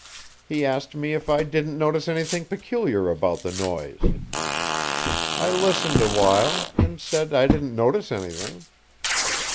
He asked me if I didn't notice anything peculiar about the noise. I listened awhile, and said I didn't notice anything.